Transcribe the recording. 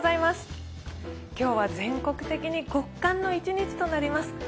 今日は全国的に極寒の一日となります。